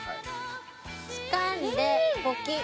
つかんでポキッ。